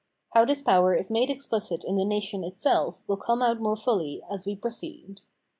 How this power is made explicit in the nation itself will come out more fully as we proceed.